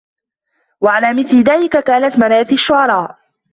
وَعَلَى مِثْلِ ذَلِكَ كَانَتْ مَرَاثِي الشُّعَرَاءِ